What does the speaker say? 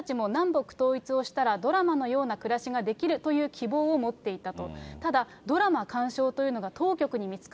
私たちも南北統一をしたら、ドラマのような暮らしができるという希望を持っていたと。